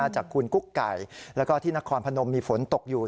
จากคุณกุ๊กไก่แล้วก็ที่นครพนมมีฝนตกอยู่